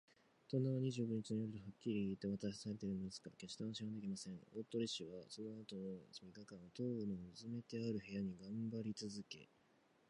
盗難は二十五日の夜とはっきり言いわたされているのですから、けっして安心はできません。大鳥氏はそのあとの三日間を、塔のうずめてある部屋にがんばりつづけ